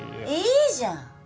いいじゃん。